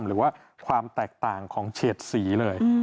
หรือว่าความแตกต่างของเฉดสีเลย